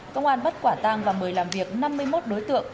công an bắt quả tang và mời làm việc năm mươi một đối tượng